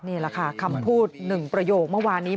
นี่แหละค่ะคำพูด๑ประโยคเมื่อวานนี้